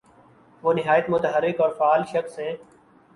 وہ نہایت متحرک اور فعال شخص ہیں۔